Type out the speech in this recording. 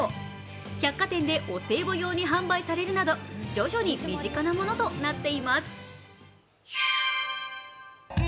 百貨店でお歳暮用に販売されるなど徐々に身近なものとなっています。